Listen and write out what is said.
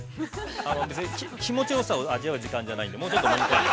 ◆あの、別に気持ちよさを味わう時間じゃないんでもうちょっともみ込んで。